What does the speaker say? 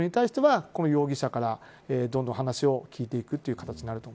それに対しては、この容疑者からどんどん話を聞いていく